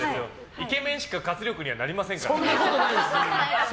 イケメンしか活力にはなりませんから。